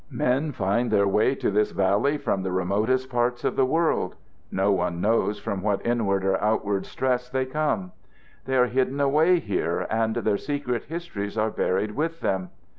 Men find their way to this valley from the remotest parts of the world. No one knows from what inward or outward stress they come. They are hidden away here and their secret histories are buried with them.